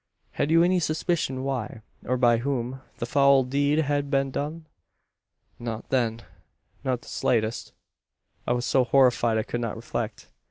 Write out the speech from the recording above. "Had you any suspicion why, or by whom, the foul deed had been done?" "Not then, not the slightest. I was so horrified, I could not reflect.